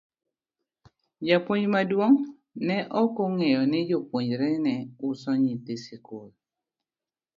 Japuonj maduong' ne ok ong'eyo ni jopuonjre ne uso nyithi skul.